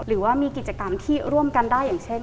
หรือว่ามีกิจกรรมที่ร่วมกันได้อย่างเช่น